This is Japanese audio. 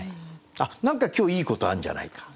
あっ何か今日いいことあんじゃないか。